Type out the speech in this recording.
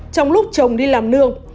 trong lúc chồng đi làm nương